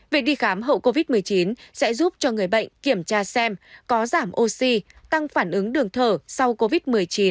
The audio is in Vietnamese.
việc đi khám hậu covid một mươi chín sẽ giúp cho người bệnh kiểm tra xem có giảm oxy tăng phản ứng đường thở sau covid một mươi chín